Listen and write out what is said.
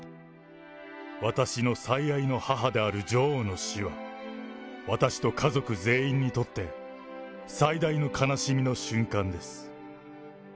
私の最愛の母である女王の死は、私と家族全員にとって、最大の悲しみの瞬間です。